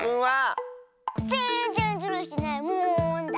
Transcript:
ぜんぜんズルしてないもんだ。